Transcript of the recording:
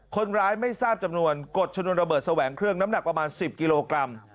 คนร้ายไม่ทราบจำนวนกดชนวนระเบิดแสวงเครื่องน้ำหนักประมาณ๑๐กิโลกรัม